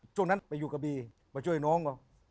ช่วงนั้นไปอยู่กระบีมาช่วยน้องก่อน